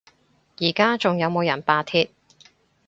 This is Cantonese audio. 而家仲有冇人罷鐵？